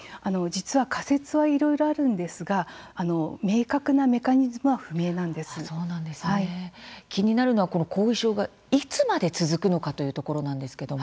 仮説はいろいろあるんですが明確なメカニズムは気になるの後遺症がいつまで続くのかというところなんですけれども。